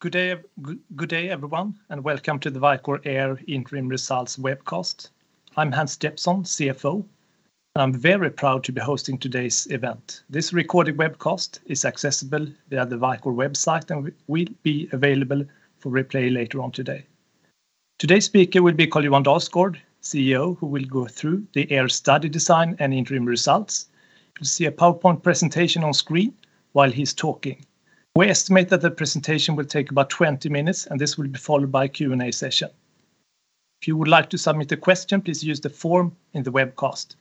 Good day, everyone, and welcome to the Vicore AIR interim results webcast. I'm Hans Jeppsson, CFO, and I'm very proud to be hosting today's event. This recorded webcast is accessible via the Vicore website and will be available for replay later on today. Today's speaker will be Carl-Johan Dalsgaard, CEO, who will go through the AIR study design and interim results. You'll see a PowerPoint presentation on screen while he's talking. We estimate that the presentation will take about 20 minutes, and this will be followed by a Q&A session. If you would like to submit a question, please use the form in the webcast.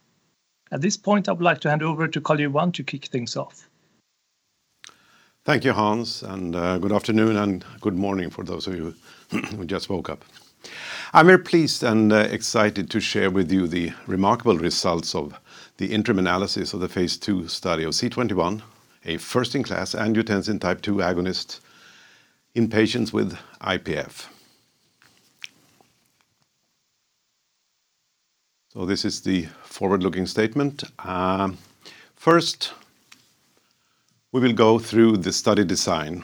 At this point, I would like to hand over to Carl-Johan to kick things off. Thank you, Hans, and good afternoon and good morning for those of you who just woke up. I'm very pleased and excited to share with you the remarkable results of the interim analysis of the phase II study of C21, a first-in-class angiotensin type two agonist in patients with IPF. This is the forward-looking statement. First, we will go through the study design.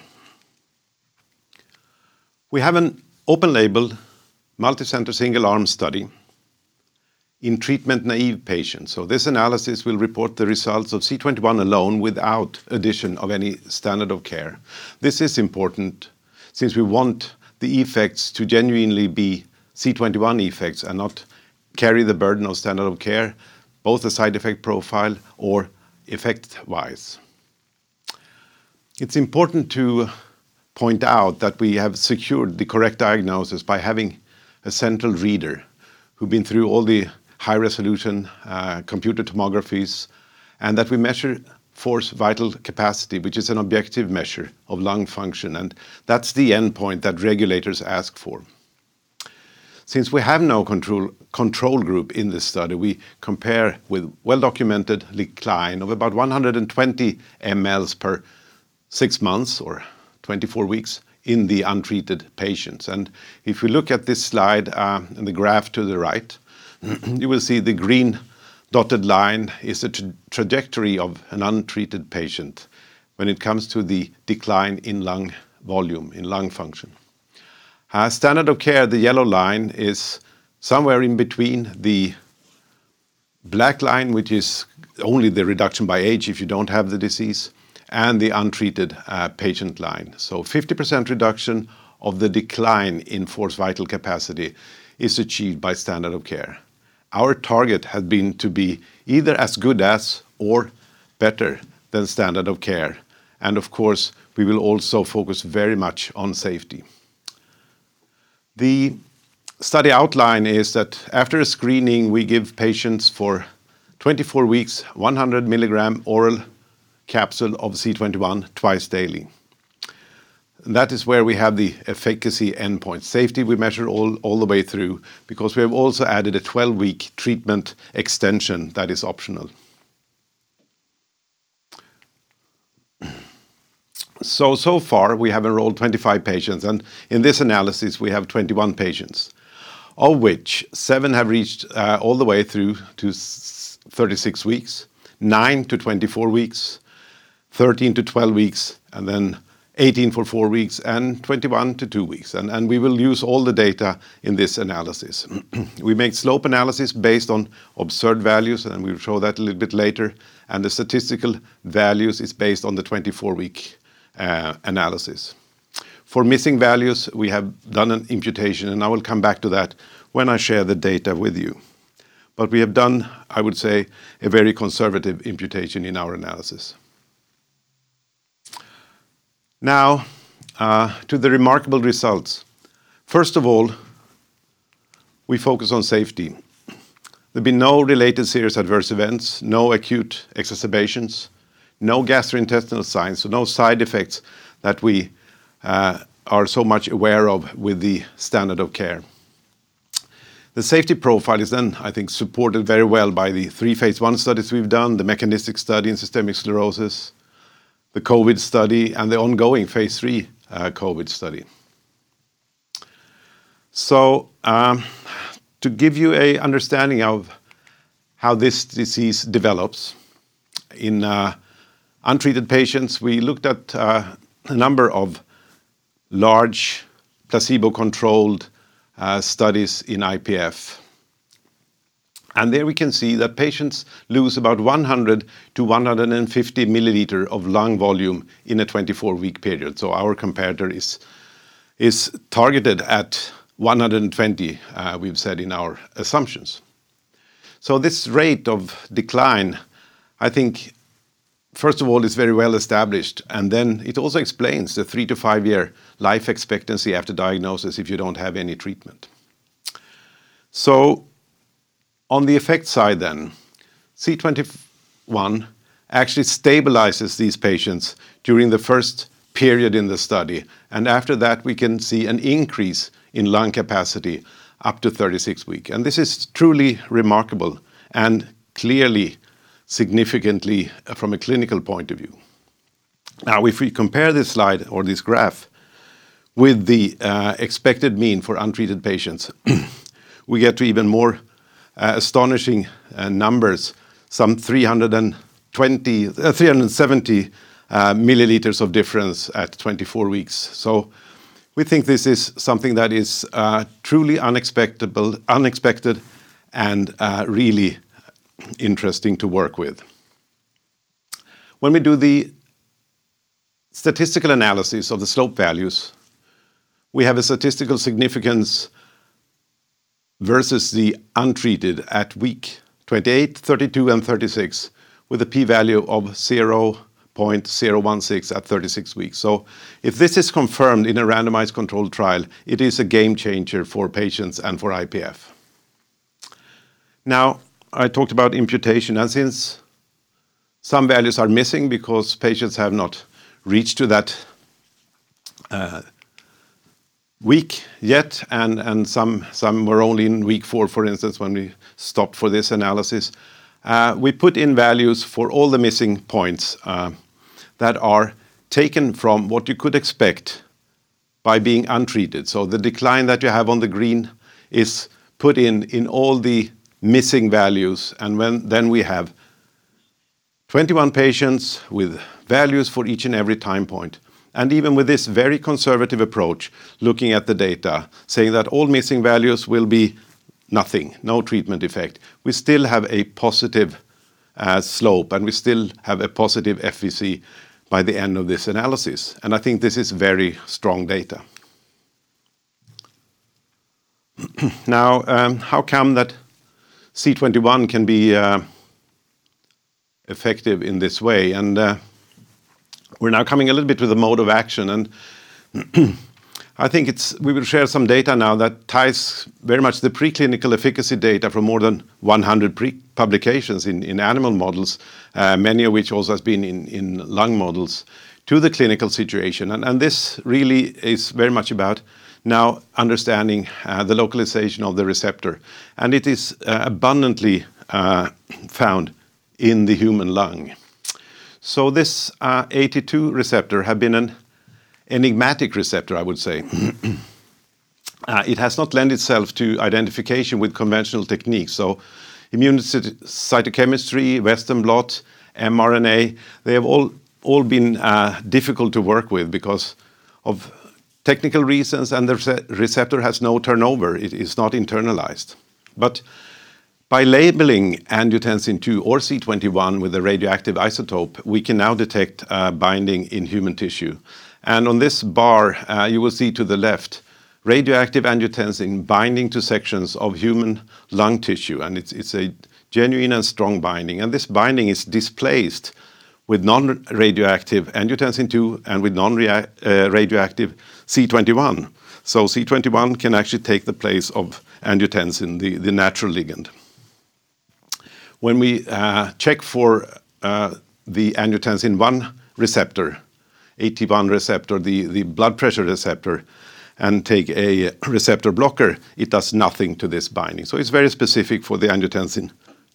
We have an open label, multicenter, single-arm study in treatment-naive patients. This analysis will report the results of C21 alone without addition of any standard of care. This is important since we want the effects to genuinely be C21 effects and not carry the burden of standard of care, both the side effect profile or effect-wise. It's important to point out that we have secured the correct diagnosis by having a central reader who've been through all the high-resolution computed tomographies, and that we measure forced vital capacity, which is an objective measure of lung function, and that's the endpoint that regulators ask for. Since we have no control group in this study, we compare with well-documented decline of about 120 mL per six months or 24 weeks in the untreated patients. If you look at this slide, in the graph to the right, you will see the green dotted line is a trajectory of an untreated patient when it comes to the decline in lung volume, in lung function. Our standard of care, the yellow line, is somewhere in between the black line, which is only the reduction by age if you don't have the disease, and the untreated patient line. 50% reduction of the decline in forced vital capacity is achieved by standard of care. Our target had been to be either as good as or better than standard of care, and of course, we will also focus very much on safety. The study outline is that after a screening, we give patients for 24 weeks 100 milligram oral capsule of C21 twice daily. That is where we have the efficacy endpoint. Safety we measure all the way through because we have also added a 12-week treatment extension that is optional. So far, we have enrolled 25 patients, and in this analysis we have 21 patients, of which seven have reached all the way through to 36 weeks, 9-24 weeks, 13-12 weeks, and then 18 for four weeks, and 21-2 weeks and we will use all the data in this analysis. We make slope analysis based on observed values, and we'll show that a little bit later, and the statistical values is based on the 24-week analysis. For missing values, we have done an imputation, and I will come back to that when I share the data with you. We have done, I would say, a very conservative imputation in our analysis. Now, to the remarkable results. First of all, we focus on safety. There've been no related serious adverse events, no acute exacerbations, no gastrointestinal signs, so no side effects that we are so much aware of with the standard of care. The safety profile is then, I think, supported very well by the three phase I studies we've done, the mechanistic study in systemic sclerosis, the COVID study, and the ongoing phase III COVID study. To give you a understanding of how this disease develops in untreated patients, we looked at a number of large placebo-controlled studies in IPF. There we can see that patients lose about 100-150 ml of lung volume in a 24-week period. Our comparator is targeted at 120, we've said in our assumptions. This rate of decline, I think, first of all, is very well established, and then it also explains the three- to five-year life expectancy after diagnosis if you don't have any treatment. On the effect side then, C21 actually stabilizes these patients during the first period in the study, and after that we can see an increase in lung capacity up to 36 weeks. This is truly remarkable and clearly significant from a clinical point of view. Now if we compare this slide or this graph with the expected mean for untreated patients, we get to even more astonishing numbers, 320-370 milliliters of difference at 24 weeks. We think this is something that is truly unexpected and really interesting to work with. When we do the statistical analysis of the slope values, we have a statistical significance versus the untreated at week 28, 32, and 36 with a p-value of 0.016 at 36 weeks. If this is confirmed in a randomized controlled trial, it is a game changer for patients and for IPF. Now, I talked about imputation, and since some values are missing because patients have not reached to that week yet and some were only in week four, for instance, when we stopped for this analysis, we put in values for all the missing points that are taken from what you could expect by being untreated. The decline that you have on the green is put in all the missing values. Then we have 21 patients with values for each and every time point. Even with this very conservative approach, looking at the data, saying that all missing values will be nothing, no treatment effect, we still have a positive slope, and we still have a positive FVC by the end of this analysis. I think this is very strong data. Now, how come that C21 can be effective in this way? We're now coming a little bit to the mode of action. I think we will share some data now that ties very much the preclinical efficacy data from more than 100 pre-publications in animal models, many of which also has been in lung models, to the clinical situation. This really is very much about now understanding the localization of the receptor. It is abundantly found in the human lung. This AT2 receptor has been an enigmatic receptor, I would say. It has not lent itself to identification with conventional techniques. Immunocytochemistry, Western blot, mRNA, they have all been difficult to work with because of technical reasons, and the receptor has no turnover. It is not internalized. By labeling angiotensin II or C21 with a radioactive isotope, we can now detect binding in human tissue. On this bar, you will see to the left, radioactive angiotensin binding to sections of human lung tissue, and it's a genuine and strong binding. This binding is displaced with nonradioactive angiotensin II and with nonradioactive C21. C21 can actually take the place of angiotensin, the natural ligand. When we check for the angiotensin II receptor, AT1 receptor, the blood pressure receptor, and take a receptor blocker, it does nothing to this binding. It's very specific for the angiotensin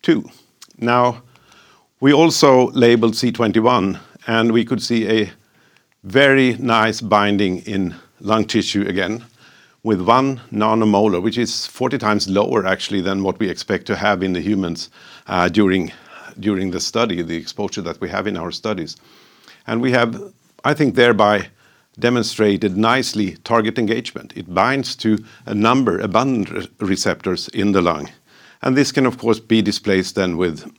II. Now, we also labeled C21, and we could see a very nice binding in lung tissue again with one nanomolar, which is 40 times lower actually than what we expect to have in the humans during the study, the exposure that we have in our studies. We have, I think, thereby demonstrated nicely target engagement. It binds to a number of abundant receptors in the lung. This can, of course, be displaced then with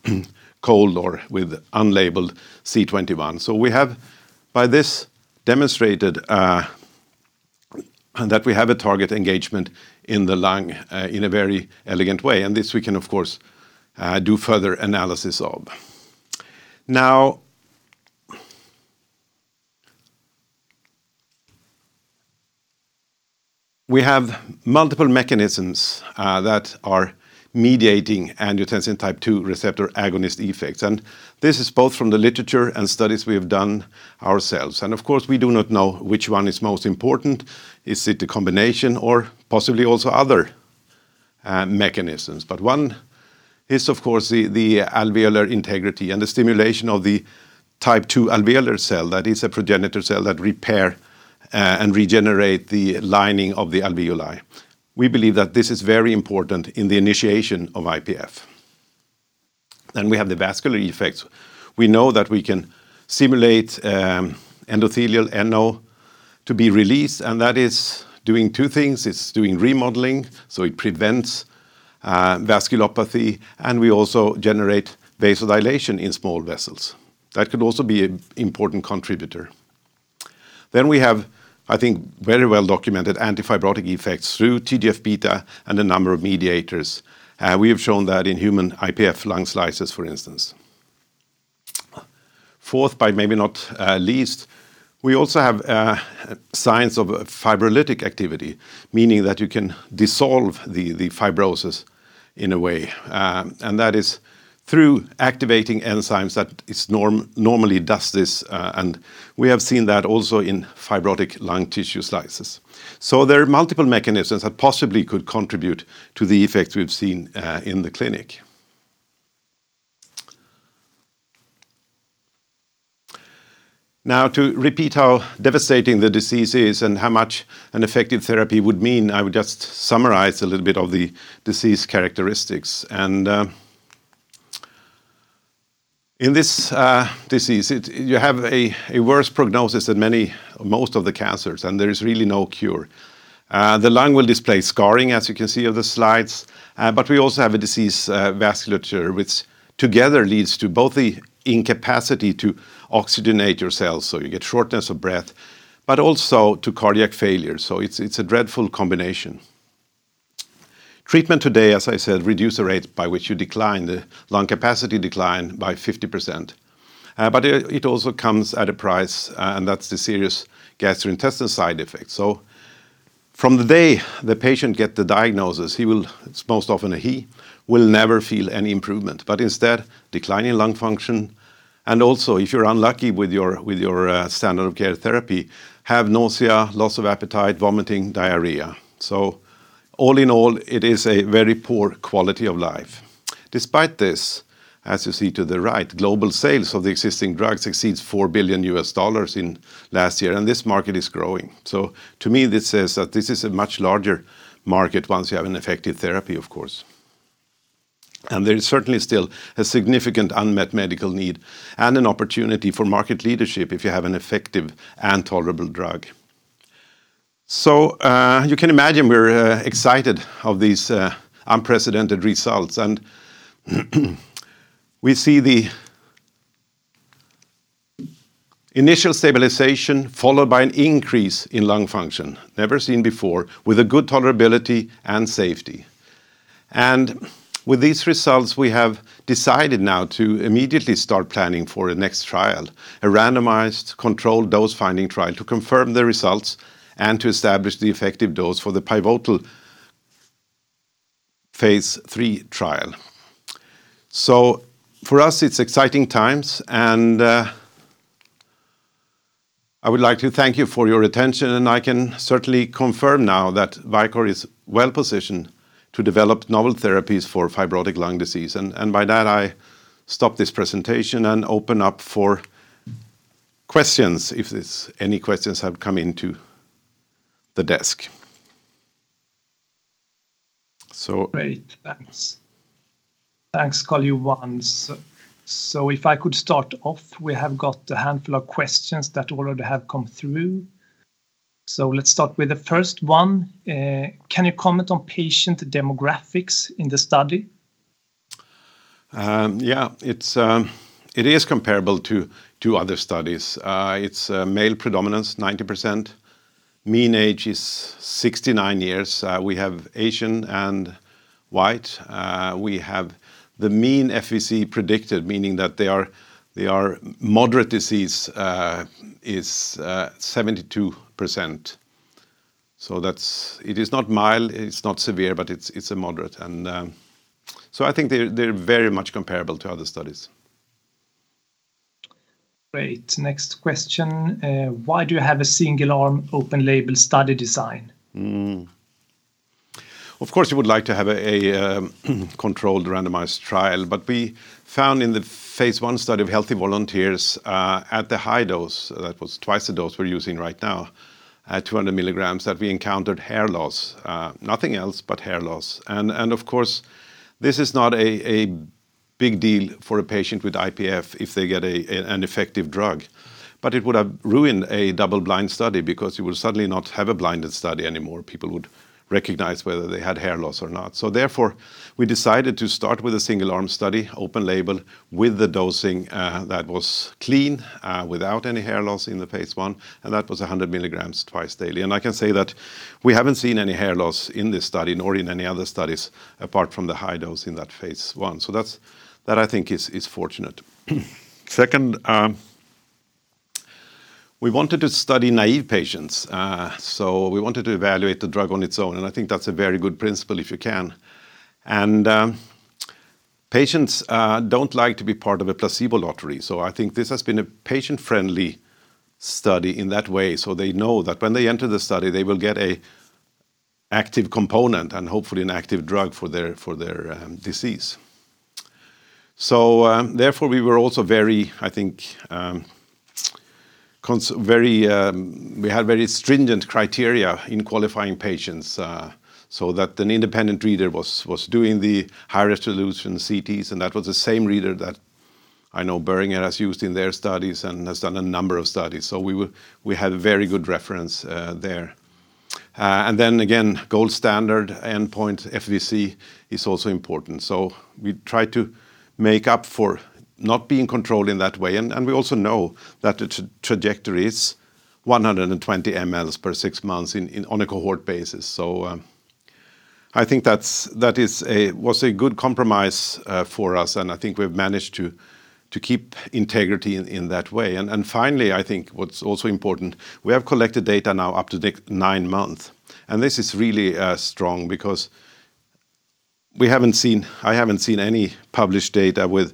cold or with unlabeled C21. We have by this demonstrated that we have target engagement in the lung in a very elegant way. This we can, of course, do further analysis of. Now, we have multiple mechanisms that are mediating angiotensin type two receptor agonist effects. This is both from the literature and studies we have done ourselves. Of course, we do not know which one is most important. Is it a combination or possibly also other mechanisms? One is, of course, the alveolar integrity and the stimulation of the type two alveolar cell. That is a progenitor cell that repair and regenerate the lining of the alveoli. We believe that this is very important in the initiation of IPF. We have the vascular effects. We know that we can stimulate endothelial NO to be released, and that is doing two things. It's doing remodeling, so it prevents vasculopathy, and we also generate vasodilation in small vessels. That could also be an important contributor. We have, I think, very well documented antifibrotic effects through TGF-β and a number of mediators. We have shown that in human IPF lung slices, for instance. Fourth, but maybe not least, we also have signs of fibrinolytic activity, meaning that you can dissolve the fibrosis in a way. That is through activating enzymes that normally does this, and we have seen that also in fibrotic lung tissue slices. There are multiple mechanisms that possibly could contribute to the effects we've seen in the clinic. Now to repeat how devastating the disease is and how much an effective therapy would mean, I would just summarize a little bit of the disease characteristics. In this disease, you have a worse prognosis than many. Most of the cancers, and there is really no cure. The lung will display scarring as you can see on the slides, but we also have a diseased vasculature which together leads to both the incapacity to oxygenate your cells, so you get shortness of breath, but also to cardiac failure. It's a dreadful combination. Treatment today, as I said, reduce the rate by which you decline, the lung capacity decline by 50%. But it also comes at a price, and that's the serious gastrointestinal side effects. From the day the patient get the diagnosis, he will, it's most often a he, will never feel any improvement, but instead declining lung function and also, if you're unlucky with your standard of care therapy, have nausea, loss of appetite, vomiting, diarrhea. All in all, it is a very poor quality of life. Despite this, as you see to the right, global sales of the existing drugs exceeds $4 billion in last year, and this market is growing. To me this says that this is a much larger market once you have an effective therapy, of course. There is certainly still a significant unmet medical need and an opportunity for market leadership if you have an effective and tolerable drug. You can imagine we're excited of these unprecedented results and we see the initial stabilization followed by an increase in lung function, never seen before, with a good tolerability and safety. With these results, we have decided now to immediately start planning for a next trial, a randomized controlled dose-finding trial to confirm the results and to establish the effective dose for the pivotal phase III trial. For us, it's exciting times, and I would like to thank you for your attention. I can certainly confirm now that Vicore is well positioned to develop novel therapies for fibrotic lung disease. By that, I stop this presentation and open up for questions if there's any questions have come into the desk. So- Great. Thanks. Thanks, Carl-Johan. If I could start off, we have got a handful of questions that already have come through. Let's start with the first one. Can you comment on patient demographics in the study? Yeah. It is comparable to other studies. It's male predominance 90%. Mean age is 69 years. We have Asian and White. We have the mean FVC predicted, meaning that they are moderate disease, is 72%. So that's. It is not mild, it's not severe, but it's a moderate. So I think they're very much comparable to other studies. Great. Next question. Why do you have a single-arm open-label study design? Of course, you would like to have a controlled randomized trial. We found in the phase I study of healthy volunteers, at the high dose, that was twice the dose we're using right now, at 200 milligrams, that we encountered hair loss. Nothing else but hair loss. Of course this is not a big deal for a patient with IPF if they get an effective drug. It would have ruined a double blind study because you will suddenly not have a blinded study anymore. People would recognize whether they had hair loss or not. Therefore, we decided to start with a single arm study, open label, with the dosing, that was clean, without any hair loss in the phase I, and that was 100 milligrams twice daily. I can say that we haven't seen any hair loss in this study nor in any other studies apart from the high dose in that phase I. I think that's fortunate. Second, we wanted to study naïve patients. We wanted to evaluate the drug on its own, and I think that's a very good principle if you can. Patients don't like to be part of a placebo lottery, so I think this has been a patient-friendly study in that way. They know that when they enter the study, they will get an active component and hopefully an active drug for their disease. Therefore, we were also very, I think, very... We had very stringent criteria in qualifying patients, so that an independent reader was doing the high resolution CTs, and that was the same reader that I know Boehringer has used in their studies and has done a number of studies. We had very good reference there. Then again, gold standard endpoint FVC is also important. We try to make up for not being controlled in that way. We also know that the trajectories, 120 mL per six months on a cohort basis. I think that's a good compromise for us. I think we've managed to keep integrity in that way. Finally, I think what's also important, we have collected data now up to the nine-month. This is really strong because I haven't seen any published data with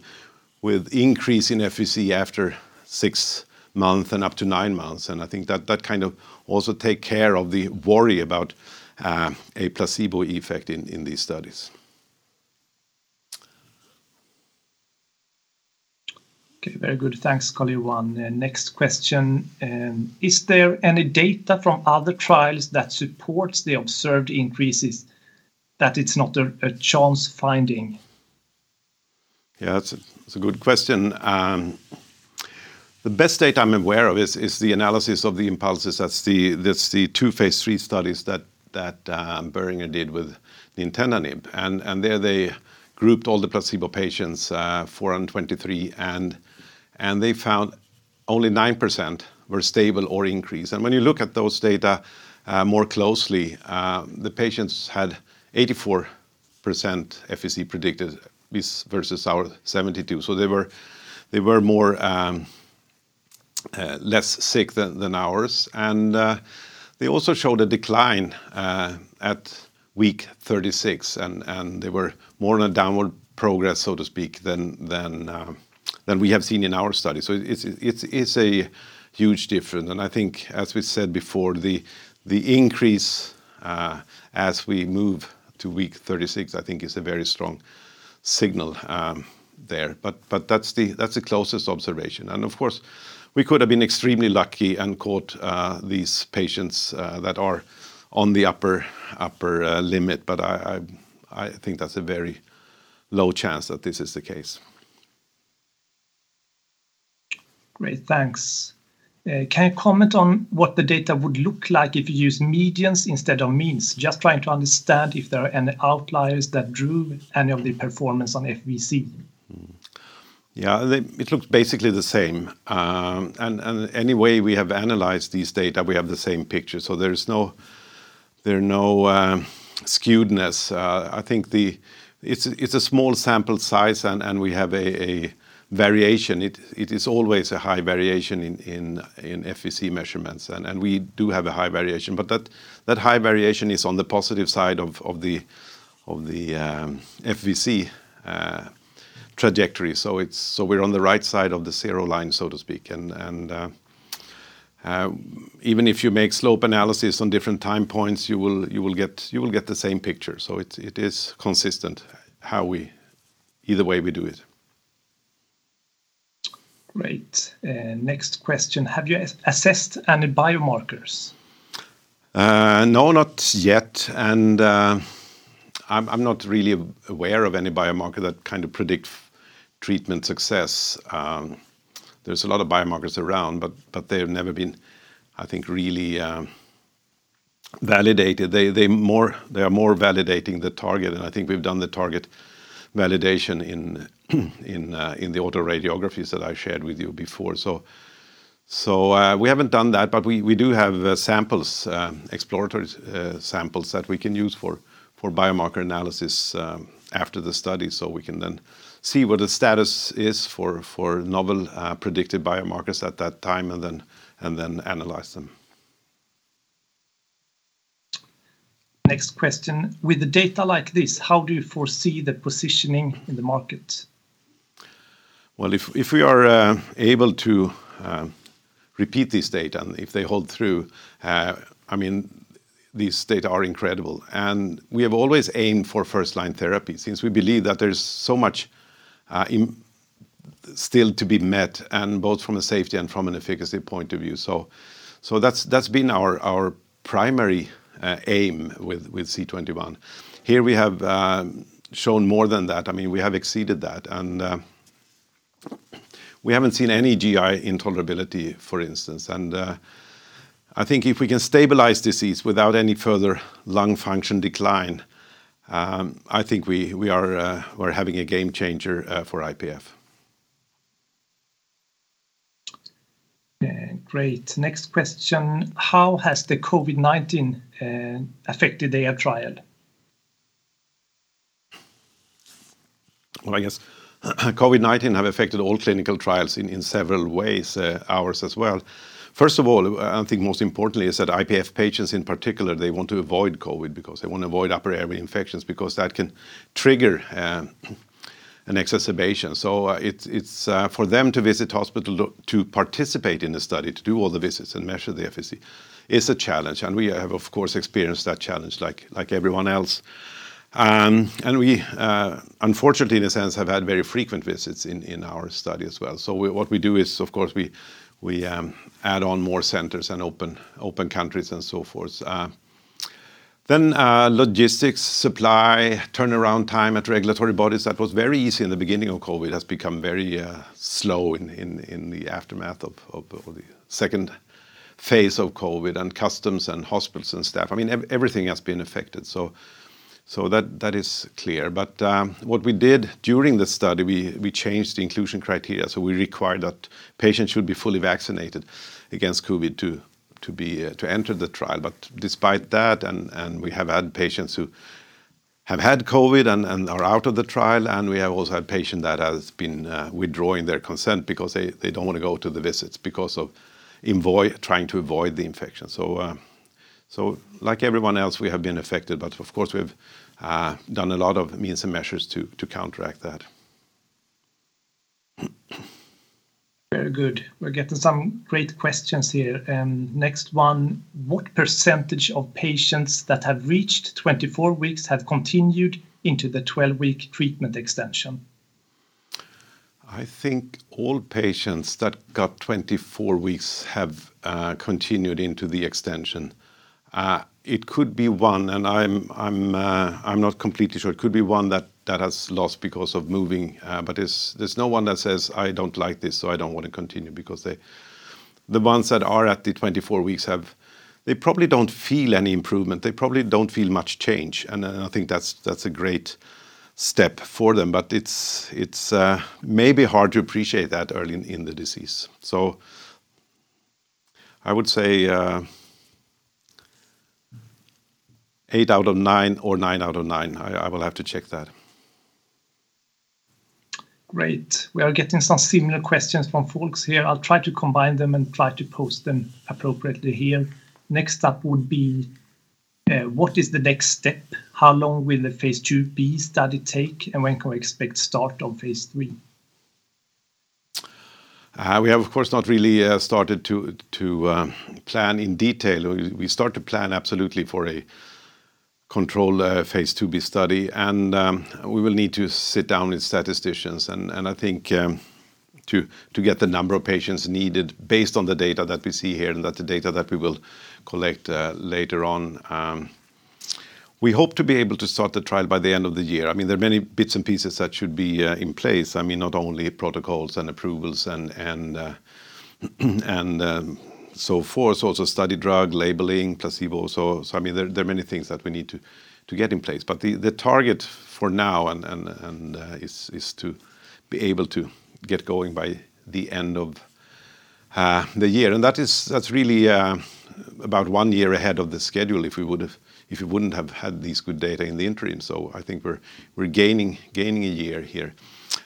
increase in FVC after six month and up to nine months. I think that kind of also take care of the worry about a placebo effect in these studies. Okay, very good. Thanks, Carl-Johan Dalsgaard. Next question, is there any data from other trials that supports the observed increases that it's not a chance finding? Yeah, that's a good question. The best data I'm aware of is the analysis of the INPULSIS. That's the two phase III studies that Boehringer did with nintedanib. There they grouped all the placebo patients from INPULSIS-1 and INPULSIS-2, and they found only 9% were stable or increased. When you look at those data more closely, the patients had 84% FVC % predicted versus our 72%, so they were less sick than ours. They also showed a decline at week 36 and they were more on a downward progress, so to speak, than we have seen in our study. It's a huge difference. I think, as we said before, the increase as we move to week 36, I think is a very strong signal there. That's the closest observation. Of course, we could have been extremely lucky and caught these patients that are on the upper limit. I think that's a very low chance that this is the case. Great, thanks. Can you comment on what the data would look like if you use medians instead of means? Just trying to understand if there are any outliers that drove any of the performance on FVC. It looks basically the same. Any way we have analyzed these data, we have the same picture, so there is no skewness. I think it's a small sample size and we have a variation. It is always a high variation in FVC measurements, and we do have a high variation. That high variation is on the positive side of the FVC trajectory. We're on the right side of the zero line, so to speak. Even if you make slope analysis on different time points, you will get the same picture. It is consistent, either way we do it. Great. Next question. Have you assessed any biomarkers? No, not yet. I'm not really aware of any biomarker that kind of predict treatment success. There's a lot of biomarkers around, but they've never been, I think, really validated. They are more validating the target, and I think we've done the target validation in the autoradiographies that I shared with you before. We haven't done that, but we do have samples, exploratory samples that we can use for biomarker analysis after the study. We can then see what the status is for novel predicted biomarkers at that time, and then analyze them. Next question. With the data like this, how do you foresee the positioning in the market? If we are able to repeat this data, and if they hold through, I mean, these data are incredible. We have always aimed for first line therapy since we believe that there's so much still to be met, and both from a safety and from an efficacy point of view. That's been our primary aim with C21. Here we have shown more than that. I mean, we have exceeded that. We haven't seen any GI intolerability, for instance. I think if we can stabilize disease without any further lung function decline, I think we are having a game changer for IPF. Yeah. Great. Next question. How has the COVID-19 affected the trial? Well, I guess COVID-19 have affected all clinical trials in several ways, ours as well. First of all, I think most importantly is that IPF patients in particular, they want to avoid COVID because they want to avoid upper airway infections because that can trigger an exacerbation. It's for them to visit hospital to participate in the study, to do all the visits and measure the FVC is a challenge. We have, of course, experienced that challenge like everyone else. We unfortunately, in a sense, have had very frequent visits in our study as well. What we do is, of course, we add on more centers and open countries and so forth. Logistics, supply, turnaround time at regulatory bodies that was very easy in the beginning of COVID has become very slow in the aftermath of the second phase of COVID and customs and hospitals and staff. I mean, everything has been affected. That is clear. What we did during the study, we changed the inclusion criteria, so we required that patients should be fully vaccinated against COVID to be to enter the trial. Despite that, we have had patients who have had COVID and are out of the trial, and we have also had patient that has been withdrawing their consent because they don't want to go to the visits because of trying to avoid the infection. Like everyone else, we have been affected, but of course, we've done a lot of means and measures to counteract that. Very good. We're getting some great questions here. Next one, what percentage of patients that have reached 24 weeks have continued into the 12-week treatment extension? I think all patients that got 24 weeks have continued into the extension. It could be one, and I'm not completely sure. It could be one that has lost because of moving, but there's no one that says, "I don't like this, so I don't want to continue," because they. The ones that are at the 24 weeks. They probably don't feel any improvement. They probably don't feel much change, and I think that's a great step for them. It's maybe hard to appreciate that early in the disease. I would say eight out of nine or nine out of nine. I will have to check that. Great. We are getting some similar questions from folks here. I'll try to combine them and try to pose them appropriately here. Next up would be, what is the next step? How long will the phase IIb study take, and when can we expect start of phase III? We have, of course, not really started to plan in detail. We start to plan absolutely for a controlled phase IIb study, and we will need to sit down with statisticians and I think to get the number of patients needed based on the data that we see here and the data that we will collect later on. We hope to be able to start the trial by the end of the year. I mean, there are many bits and pieces that should be in place. I mean, not only protocols and approvals and so forth. So also study drug, labeling, placebo. So I mean, there are many things that we need to get in place. The target for now and is to be able to get going by the end of the year. That is that's really about one year ahead of the schedule if we wouldn't have had these good data in the interim. I think we're gaining a year here.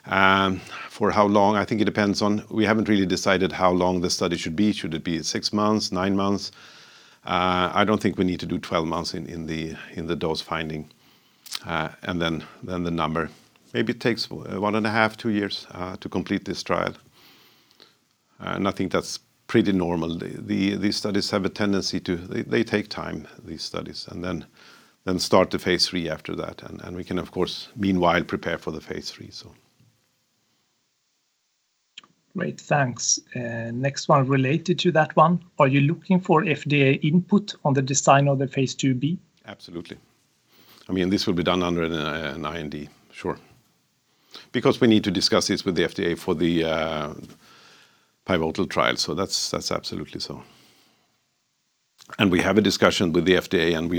For how long? I think it depends on. We haven't really decided how long the study should be. Should it be six months, nine months? I don't think we need to do 12 months in the dose finding, and then the number. Maybe it takes one and a half, two years to complete this trial, and I think that's pretty normal. These studies have a tendency to take time. Start the phase III after that, and we can of course meanwhile prepare for the phase III. Great. Thanks. Next one related to that one. Are you looking for FDA input on the design of the phase IIb? Absolutely. I mean, this will be done under an IND, sure. Because we need to discuss this with the FDA for the pivotal trial, so that's absolutely so. We have a discussion with the FDA, and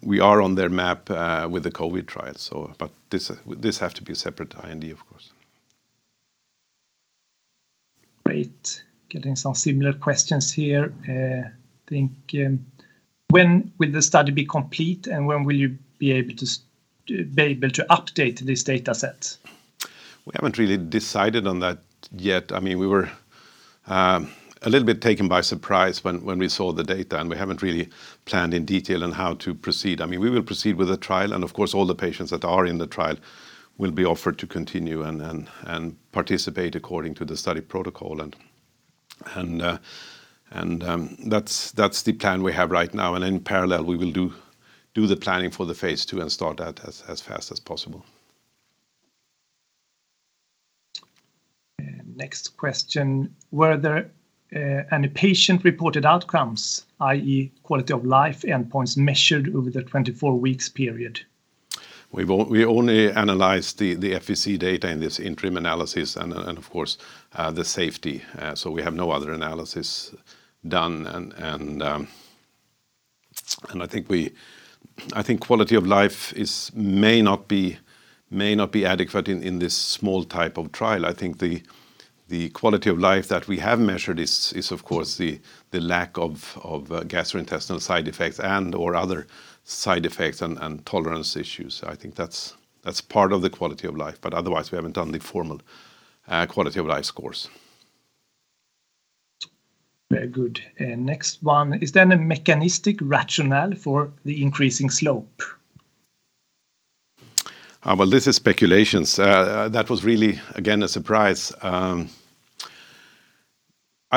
we are on their map with the COVID trial, so. This have to be a separate IND, of course. Great. Getting some similar questions here. When will the study be complete, and when will you be able to update these data sets? We haven't really decided on that yet. I mean, we were a little bit taken by surprise when we saw the data, and we haven't really planned in detail on how to proceed. I mean, we will proceed with the trial, and of course, all the patients that are in the trial will be offered to continue and participate according to the study protocol. That's the plan we have right now. In parallel, we will do the planning for the phase II and start that as fast as possible. Next question. Were there any patient-reported outcomes, i.e., quality of life endpoints measured over the 24 weeks period? We only analyzed the FVC data in this interim analysis and of course the safety. We have no other analysis done. I think quality of life may not be adequate in this small type of trial. I think the quality of life that we have measured is of course the lack of gastrointestinal side effects and/or other side effects and tolerance issues. I think that's part of the quality of life. Otherwise, we haven't done the formal quality of life scores. Very good. Next one. Is there a mechanistic rationale for the increasing slope? Well, this is speculation. That was really, again, a surprise. I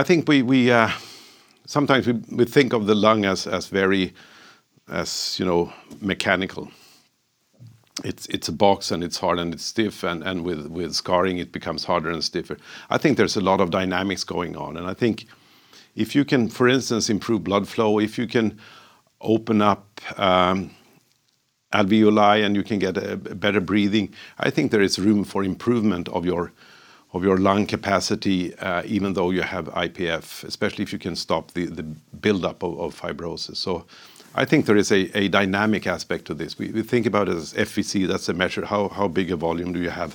think we sometimes think of the lung as very, you know, mechanical. It's a box, and it's hard, and it's stiff. With scarring, it becomes harder and stiffer. I think there's a lot of dynamics going on. I think if you can, for instance, improve blood flow, if you can open up alveoli, and you can get a better breathing, I think there is room for improvement of your lung capacity, even though you have IPF, especially if you can stop the build-up of fibrosis. I think there is a dynamic aspect to this. We think about it as FVC. That's a measure. How big a volume do you have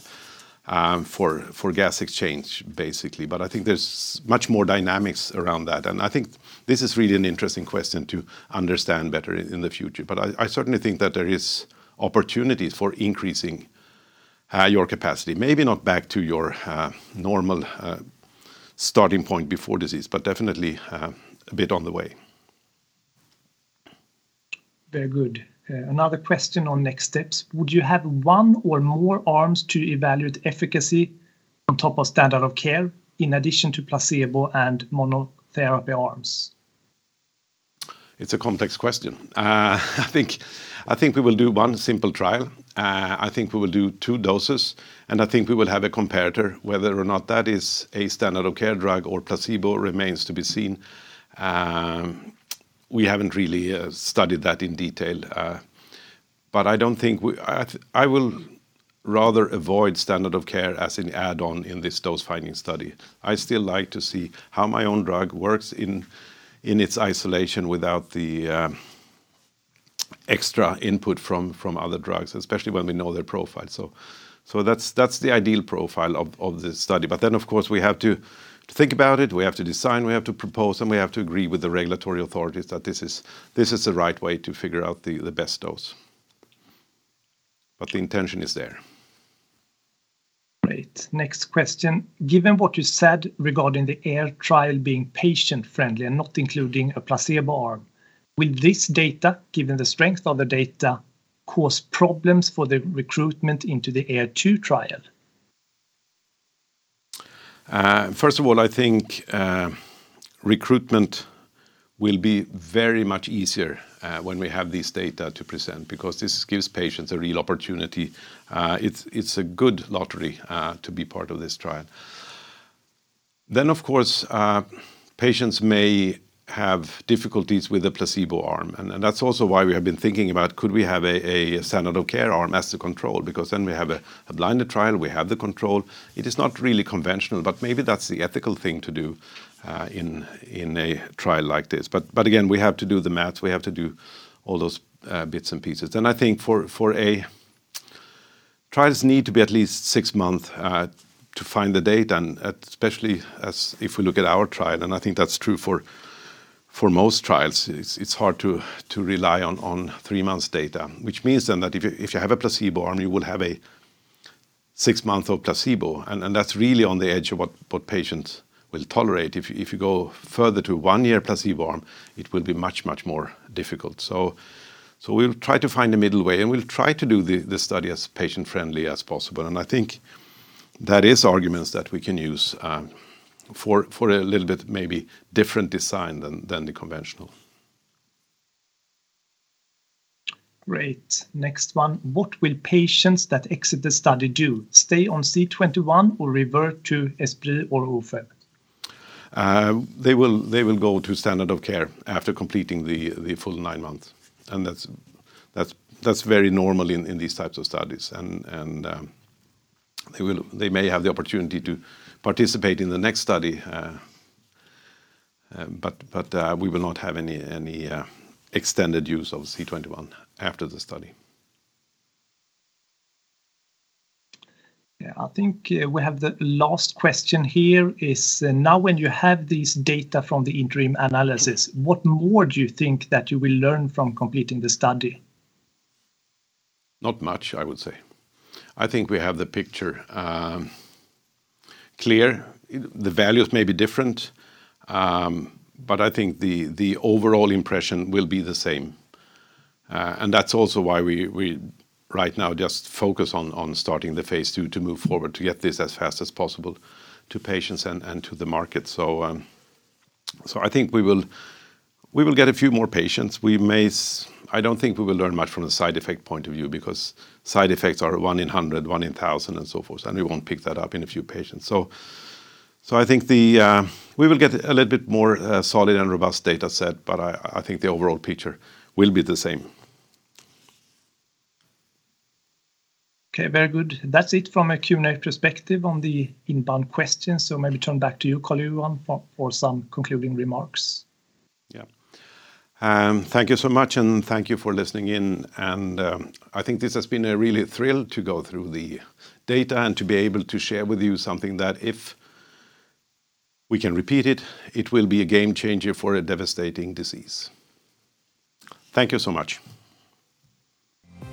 for gas exchange, basically? I think there's much more dynamics around that, and I think this is really an interesting question to understand better in the future. I certainly think that there is opportunities for increasing your capacity, maybe not back to your normal starting point before disease but definitely a bit on the way. Very good. Another question on next steps. Would you have one or more arms to evaluate efficacy on top of standard of care in addition to placebo and monotherapy arms? It's a complex question. I think we will do one simple trial. I think we will do two doses, and I think we will have a comparator, whether or not that is a standard of care drug or placebo remains to be seen. We haven't really studied that in detail. I will rather avoid standard of care as an add-on in this dose-finding study. I still like to see how my own drug works in its isolation without the extra input from other drugs, especially when we know their profile. That's the ideal profile of this study. Of course, we have to think about it, we have to design, we have to propose, and we have to agree with the regulatory authorities that this is the right way to figure out the best dose. The intention is there. Great. Next question. Given what you said regarding the AIR trial being patient-friendly and not including a placebo arm, will this data, given the strength of the data, cause problems for the recruitment into the AIR 2 trial? First of all, I think recruitment will be very much easier when we have this data to present because this gives patients a real opportunity. It's a good lottery to be part of this trial. Of course, patients may have difficulties with the placebo arm, and that's also why we have been thinking about could we have a standard of care arm as the control because then we have a blinded trial, we have the control. It is not really conventional, but maybe that's the ethical thing to do in a trial like this. Again, we have to do the math, we have to do all those bits and pieces. I think for a... Trials need to be at least six months to find the data, and especially if we look at our trial, and I think that's true for most trials. It's hard to rely on three months' data. Which means then that if you have a placebo arm, you will have six months of placebo, and that's really on the edge of what patients will tolerate. If you go further to one-year placebo arm, it will be much more difficult. We'll try to find a middle way, and we'll try to do the study as patient-friendly as possible. I think that is arguments that we can use for a little bit maybe different design than the conventional. Great. Next one. What will patients that exit the study do? Stay on C21 or revert to Esbriet or Ofev? They will go to standard of care after completing the full nine months. That's very normal in these types of studies. They may have the opportunity to participate in the next study. We will not have any extended use of C21 after the study. Yeah. I think we have the last question here is, now when you have these data from the interim analysis, what more do you think that you will learn from completing the study? Not much, I would say. I think we have the picture clear. The values may be different, but I think the overall impression will be the same. That's also why we right now just focus on starting the phase II to move forward to get this as fast as possible to patients and to the market. I think we will get a few more patients. I don't think we will learn much from the side effect point of view because side effects are 1 in 100, 1 in 1,000, and so forth, and we won't pick that up in a few patients. I think we will get a little bit more solid and robust data set, but I think the overall picture will be the same. Okay. Very good. That's it from a Q&A perspective on the inbound questions. Maybe turn back to you, Carl-Johan, for some concluding remarks. Thank you so much, and thank you for listening in. I think this has been a really thrilling to go through the data and to be able to share with you something that if we can repeat it will be a game changer for a devastating disease. Thank you so much.